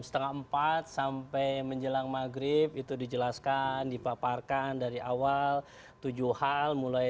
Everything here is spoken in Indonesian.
setengah empat sampai menjelang maghrib itu dijelaskan dipaparkan dari awal tujuh hal mulai